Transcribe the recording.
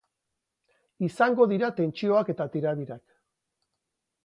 Izango dira tentsioak eta tirabirak.